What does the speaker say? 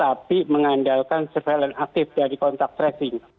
tapi mengandalkan surveillance aktif dari kontak tracing